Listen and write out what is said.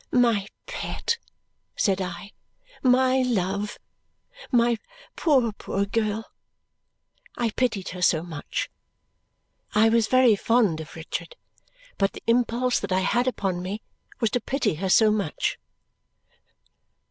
"My pet," said I. "My love. My poor, poor girl!" I pitied her so much. I was very fond of Richard, but the impulse that I had upon me was to pity her so much.